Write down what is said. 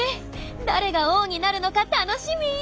誰が王になるのか楽しみ！